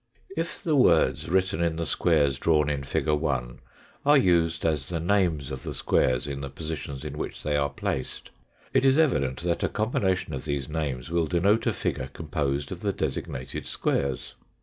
If the words written in the squares drawn in fig. 1 are used as the names of the squares in the positions in which they are placed, it is evident that a combination of these names will denote a figure composed of the designated squares.